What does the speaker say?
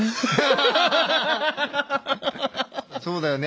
そうだよね